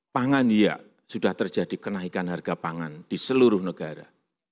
pangan iya sudah terjadi kenaikan harga pangan di seluruh negara